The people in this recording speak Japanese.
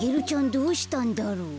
どうしたんだろう？